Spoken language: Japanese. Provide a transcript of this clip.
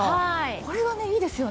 これはねいいですよね。